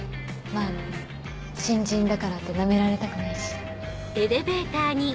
まぁね新人だからってナメられたくないし。